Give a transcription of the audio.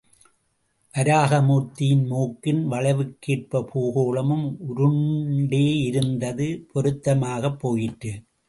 வராக மூர்த்தியின் மூக்கின் வளைவுக்கேற்ப பூகோளமும் உருண்டிருந்தது பொருத்தமாகப் போயிற்று.